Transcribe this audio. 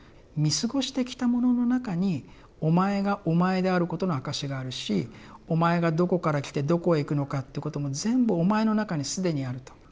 見過ごしてきたものの中にお前がお前であることの証しがあるしお前がどこから来てどこへ行くのかっていうことも全部お前の中に既にあると。